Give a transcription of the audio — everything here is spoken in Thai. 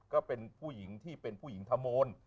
ก็เป็นผู้หญิงที่เป็นผู้หญิงธโมน